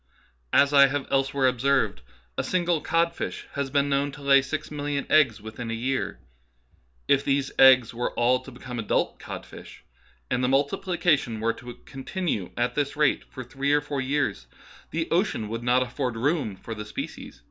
As I have elsewhere observed, " a single codfish has been known to lay six million eggs within a year. If these eggs were all to become adult cod fishes, and the multiplication were to continue at this rate for three or four years, the ocean would not afford room for the species.